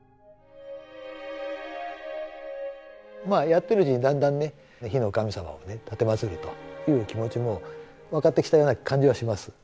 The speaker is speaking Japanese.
まあやってるうちにだんだんね火の神様をね奉るという気持ちも分かってきたような感じはします。